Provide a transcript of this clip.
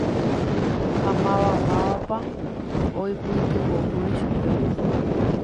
Ha mavamávapa oipytyvõkuri chupe.